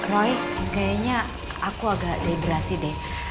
roy kayaknya aku agak librasi deh